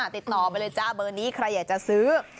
ติดต่อไปเลยจ้าเบอร์นี้ใครอยากจะซื้อ